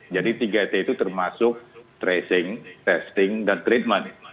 jadi tiga t itu termasuk tracing testing dan treatment